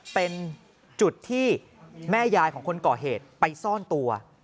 เป็นจุดที่แม่ยายของคนก่อเหตุไปซ่อนตัว